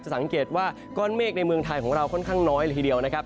สังเกตว่าก้อนเมฆในเมืองไทยของเราค่อนข้างน้อยเลยทีเดียวนะครับ